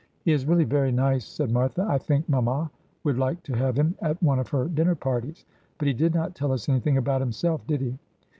' He is really very nice,' said Martha. ' I think mamma would like to have him at one of her dinner parties. But he did not tell us anything about himself, did he